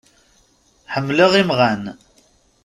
Ḥemmleɣ imɣan.